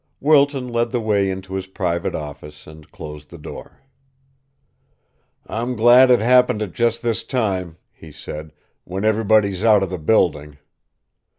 Wilton led the way into his private office and closed the door. "I'm glad it happened at just this time," he said, "when everybody's out of the building."